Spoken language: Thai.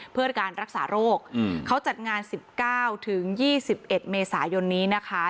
เพื่อการรักษาโรคเขาจัดงาน๑๙๒๑เมษายนนี้นะคะ